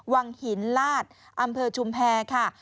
วังหินลาดอำเภอชุมแพรค่ะ